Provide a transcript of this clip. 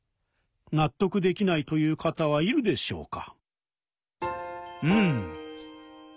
納得できないという方はいるでしょうか？